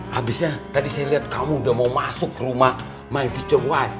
habisnya tadi saya lihat kamu udah mau masuk ke rumah istri saya